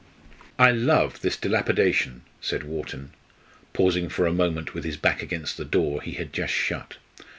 "I love this dilapidation!" said Wharton, pausing for a moment with his back against the door he had just shut.